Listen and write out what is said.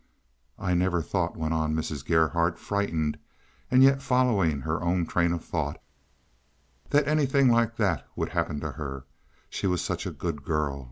"I never thought," went on Mrs. Gerhardt, frightened, and yet following her own train of thought, "that anything like that would happen to her. She was such a good girl.